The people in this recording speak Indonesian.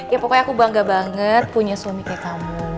ya pokoknya aku bangga banget punya suami kayak kamu